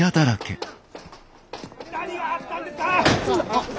・何があったんですか！